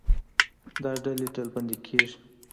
دا ډلې ډلبندي کېږي.